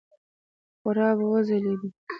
خورا به وځلېدو.